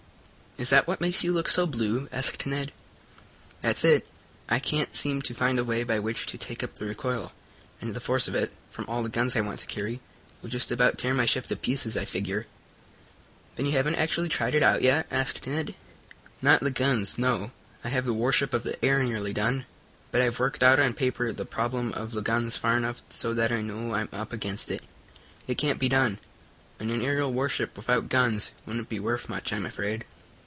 "Is that what makes you look so blue?" asked Ned. "That's it. I can't seem to find a way by which to take up the recoil, and the force of it, from all the guns I want to carry, will just about tear my ship to pieces, I figure." "Then you haven't actually tried it out yet?" asked Ned. "Not the guns, no. I have the warship of the air nearly done, but I've worked out on paper the problem of the guns far enough so that I know I'm up against it. It can't be done, and an aerial warship without guns wouldn't be worth much, I'm afraid."